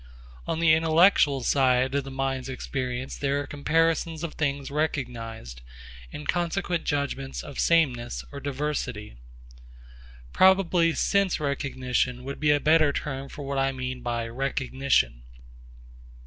On the intellectual side of the mind's experience there are comparisons of things recognised and consequent judgments of sameness or diversity. Probably 'sense recognition' would be a better term for what I mean by 'recognition.'